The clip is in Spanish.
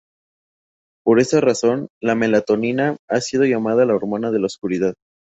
Por esta razón la melatonina ha sido llamada "la hormona de la oscuridad".